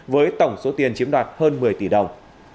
với tổng số tiền chiếm đoạt hơn một mươi tỷ đồng